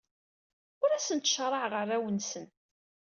Ur asen-ttcaṛaɛeɣ arraw-nsen.